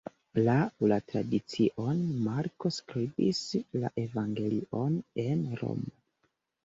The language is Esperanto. Laŭ la tradicio Marko skribis la evangelion en Romo.